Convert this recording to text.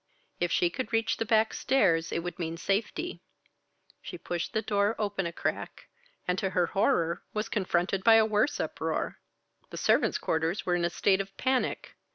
If she could reach the back stairs it would mean safety. She pushed the door open a crack, and to her horror, was confronted by a worse uproar. The servants' quarters were in a state of panic.